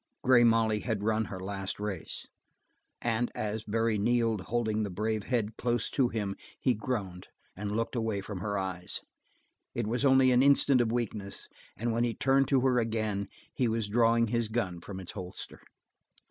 Grey Molly had run her last race, and as Barry kneeled, holding the brave head close to him, he groaned, and looked away from her eyes. It was only an instant of weakness, and when he turned to her again he was drawing his gun from its holster.